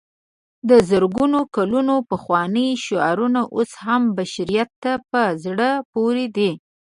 د زرګونو کلونو پخواني شعرونه اوس هم بشریت ته په زړه پورې دي.